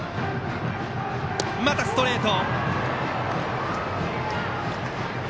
またストレート。